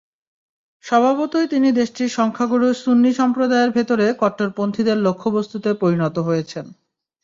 স্বভাবতই তিনি দেশটির সংখ্যাগুরু সুন্নি সম্প্রদায়ের ভেতরের কট্টরপন্থীদের লক্ষ্যবস্তুতে পরিণত হয়েছেন।